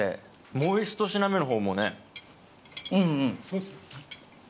もう１品目のほうもね。